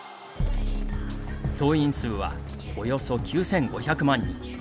党員数は、およそ９５００万人。